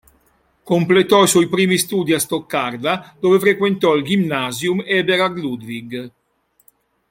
Completò i suoi primi studi a Stoccarda, dove frequentò il "gymnasium" Eberhard-Ludwig.